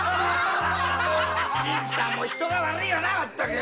新さんも人が悪いよな全く。